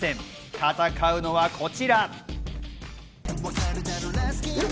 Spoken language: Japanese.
戦うのはこちら。